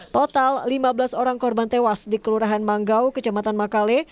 total lima belas orang korban tewas di kelurahan manggau kecamatan makale